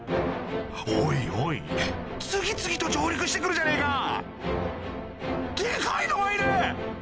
おいおい次々と上陸して来るじゃねえかデカいのがいる！